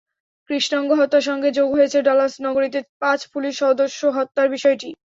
কৃষ্ণাঙ্গ হত্যার সঙ্গে যোগ হয়েছে ডালাস নগরীতে পাঁচ পুলিশ সদস্য হত্যার বিষয়টি।